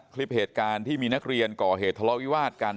คลิปเหตุการณ์ที่มีนักเรียนก่อเหตุทะเลาะวิวาสกัน